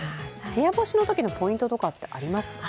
部屋干しのときのポイントとかって、ありますか。